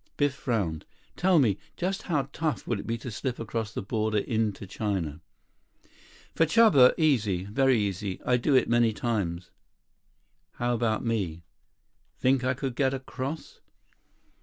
Biff frowned. "Tell me, just how tough would it be to slip across the border into China?" "For Chuba, easy. Very easy. I do it many times." "How about me? Think I could get across?"